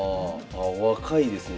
あ若いですね